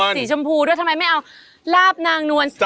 สีชมพูด้วยทำไมไม่เอา